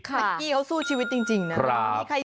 แก๊กกี้เขาสู้ชีวิตจริงนะ